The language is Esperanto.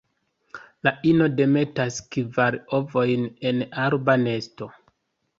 La ino demetas kvar ovojn en arba nesto.